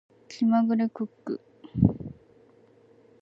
気まぐれクック